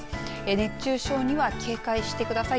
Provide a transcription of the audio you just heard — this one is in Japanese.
熱中症には警戒してください。